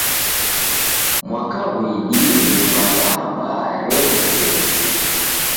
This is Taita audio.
Mwaka ghuidie, Nyumba mbaa mbaa reresughusika